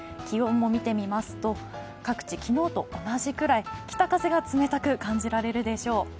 気温も見てみますと、各地、昨日と同じくらい、北風が冷たく感じられるでしょう。